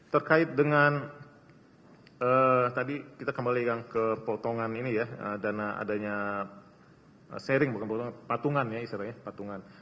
terkait dengan tadi kita kembali yang ke potongan ini ya dana adanya sharing bukan potongan patungan ya istilahnya patungan